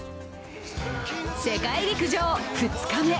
世界陸上２日目。